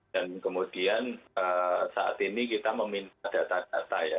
dan kemudian saat ini kita meminta data data ya